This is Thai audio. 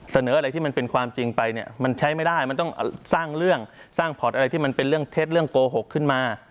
เสนออะไรที่มันเป็นความจริงไปเนี่ยมันใช้ไม่ได้มันต้องสร้างเรื่องสร้างพอร์ตอะไรที่มันเป็นเรื่องเท็จเรื่องโกหกขึ้นมา